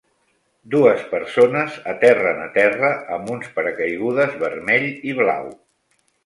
Dues persones aterren a terra amb uns paracaigudes vermell i blau.